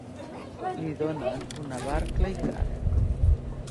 Li donen una Barclaycard.